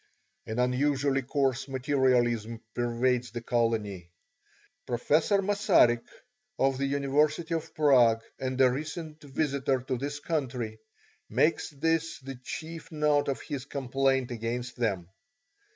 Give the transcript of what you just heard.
An unusually coarse materialism pervades that colony. Professor Massarik, of the University of Prague, and a recent visitor to this country, makes this the chief note of his complaint against them.